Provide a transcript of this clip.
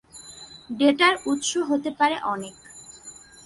ডেটার উৎস হতে পারে অনেক।